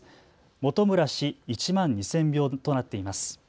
本村氏、１万２０００票となっています。